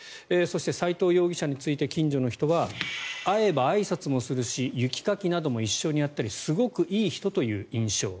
そして、齋藤容疑者について近所の人は会えばあいさつもするし雪かきなども一緒にやったりすごくいい人という印象。